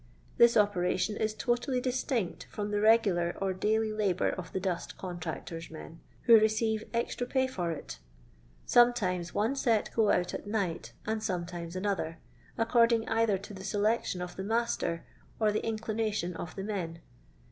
This operation is totally distinct from the regular or daily labour of the dust contractor's men, who receive extra pay for it; sometimes one set go out at night and sometimes another, . according either to the selection of the master or the inclination of the men.